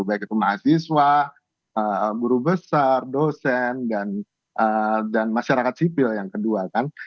baik itu mahasiswa guru besar dosen dan masyarakat sipil yang kedua kan